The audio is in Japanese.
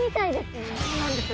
そうなんです。